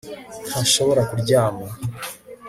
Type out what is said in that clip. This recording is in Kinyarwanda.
Ntashobora kuryama